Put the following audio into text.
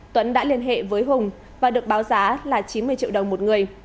tuấn đã liên hệ với hùng và được báo giá là chín mươi triệu đồng một người